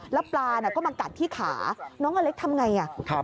แล้วปลาก็มากัดที่ขาน้องอเล็กซ์ทำอย่างไร